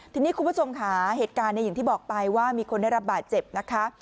ทีนี้คุณผู้ชมค่ะเหตุการณ์อย่างที่บอกไปว่ามีคนได้รับบาดเจ็บนะคะ